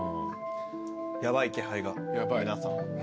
ヤバい気配が皆さん。